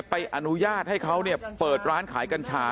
อนุญาตให้เขาเปิดร้านขายกัญชา